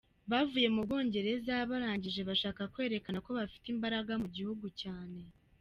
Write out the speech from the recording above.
Bavuye mu Bwongereza barangije bashaka kwerekana ko bafite imbaraga mu gihugu cyane.